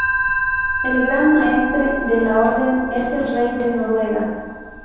El Gran Maestre de la Orden es el rey de Noruega.